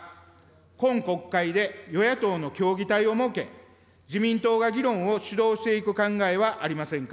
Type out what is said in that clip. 今国会で与野党の協議体を設け、自民党が議論を主導していく考えはありませんか。